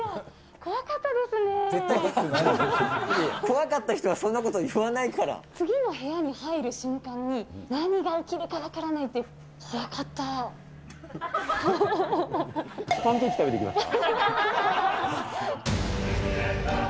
怖かった人はそんなこと言わ次の部屋に入る瞬間に、何が起きるか分からないっていう、パンケーキ食べてきました？